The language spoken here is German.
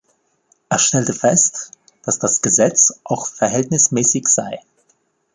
Er stellte fest, dass das Gesetz auch verhältnismäßig sei.